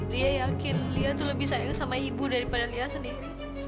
lia yakin lia tuh lebih sayang sama ibu daripada lia sendiri